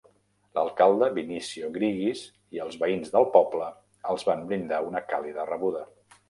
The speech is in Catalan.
L'alcalde, Vinicio Grigis, i els veïns del poble els van brindar una càlida rebuda.